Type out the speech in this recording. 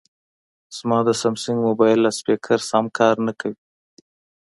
زما د سامسنګ مبایل لاسپیکر سم کار نه کوي